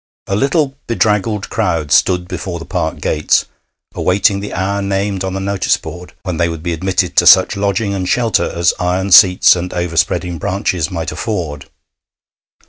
A little, bedraggled crowd stood before the park gates, awaiting the hour named on the notice board when they would be admitted to such lodging and shelter as iron seats and overspreading branches might afford.